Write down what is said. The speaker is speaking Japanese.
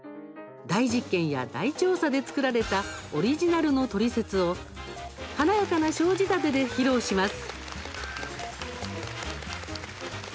大実験や大調査で作られたオリジナルのトリセツを華やかなショー仕立てで披露します。